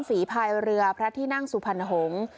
ฝีภายเรือพระที่นั่งสุพรรณหงษ์